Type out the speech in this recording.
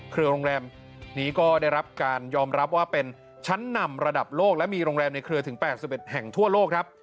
โรงแรมนี้ก็ได้รับการยอมรับว่าเป็นชั้นนำระดับโลกและมีโรงแรมในเครือถึง๘๑แห่งทั่วโลกครับ